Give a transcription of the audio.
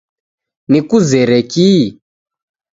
Nikuzere kii